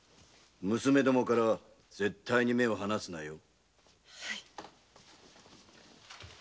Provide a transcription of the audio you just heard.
娘どもからは絶対に目を離すなよ。